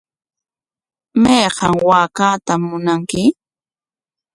¿Mayqan waakaatam munanki?